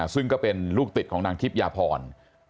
ซึ่งก็เป็นลูกติดของนางทิพยาพร